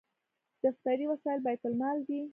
دفتري وسایل بیت المال دي